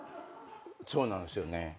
そうなんすよね。